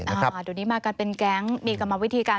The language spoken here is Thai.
ดังนี้มากันเป็นแก๊งมีกำมาวิธีการ